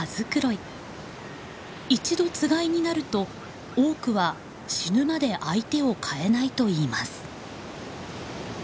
一度つがいになると多くは死ぬまで相手をかえないといいます。